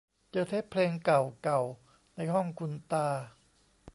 เจอเทปเพลงเก่าเก่าในห้องคุณตา